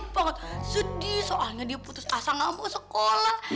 banget sedih soalnya dia putus asa gak mau sekolah